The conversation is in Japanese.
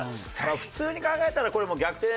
普通に考えたらこれもう逆転